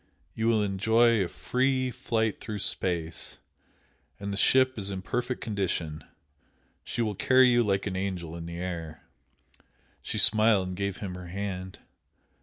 You will enjoy a free flight through space, and the ship is in perfect condition; she will carry you like an angel in the air!" She smiled and gave him her hand.